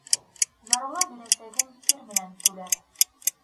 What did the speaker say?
Ярлы бирәсәген тир менән түләр.